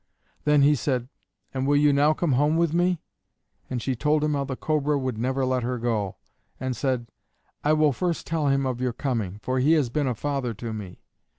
Then he said, "And will you now come home with me?" And she told him how the Cobra would never let her go, and said, "I will first tell him of your coming; for he has been a father to me."